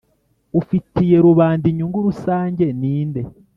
ufitiye rubanda inyungu rusange ni nde